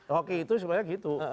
rocky itu sebenarnya gitu